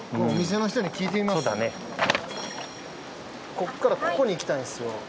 ここからここに行きたいんですよ。